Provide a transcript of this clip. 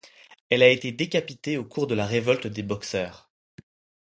Elle a été décapitée au cours de la révolte des Boxers.